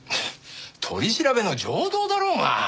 取り調べの常道だろうが。